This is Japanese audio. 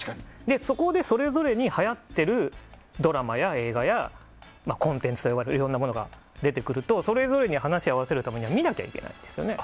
そこで、それぞれにはやっているドラマや映画やコンテンツいろんなものが出てくるとそれぞれに話を合わせるためには見なきゃいけないですよね。